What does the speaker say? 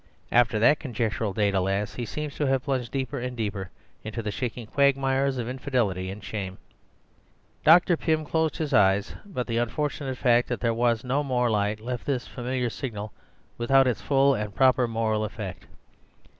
After that conjectural date, alas, he seems to have plunged deeper and deeper into the shaking quagmires of infidelity and shame." Dr. Pym closed his eyes, but the unfortunate fact that there was no more light left this familiar signal without its full and proper moral effect.